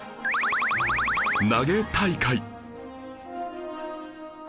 投げ大会